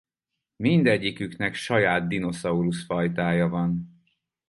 Mindegyiküknek saját dinoszaurusz fajtája van.